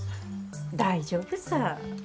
大丈夫さ。